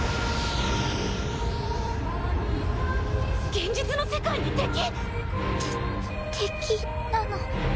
現実の世界に敵⁉て敵なの？